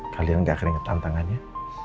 kalian gak keringetan tangannya